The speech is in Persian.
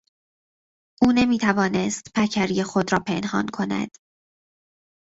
او نمیتوانست پکری خود را پنهان کند.